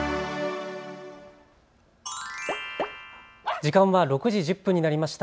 時間は６時１０分になりました。